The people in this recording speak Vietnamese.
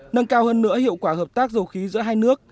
nâng cao hơn nữa hiệu quả hợp tác dầu khí giữa hai nước